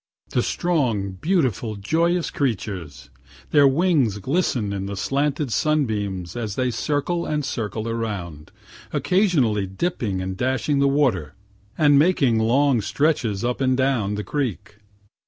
The strong, beautiful, joyous creatures! Their wings glisten in the slanted sunbeams as they circle and circle around, occasionally dipping and dashing the water, and making long stretches up and down the creek.